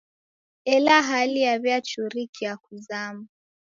Ela hali yaw'iachurikia kuzama.